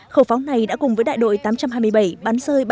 khẩu pháo này đã cùng với đại đội tám trăm hai mươi bảy bắn rơi ba trăm linh bảy